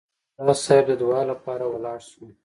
ملا صیب د دعا لپاره ولاړ شو.